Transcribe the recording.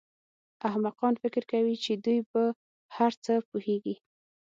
احمقان فکر کوي چې دوی په هر څه پوهېږي.